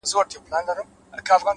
زور او زير مي ستا په لاس کي وليدی،